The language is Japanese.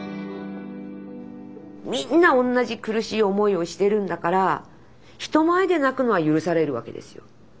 みんな同じ苦しい思いをしてるんだから人前で泣くのは許されるわけですよ。